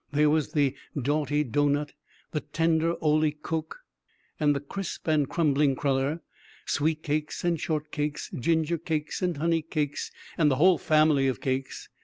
There was the doughty doughnut, the tender oly koek, and the crisp and crumbling cruller; sweet cakes and short cakes, ginger cakes and honey cakes, and the whole family of cakes.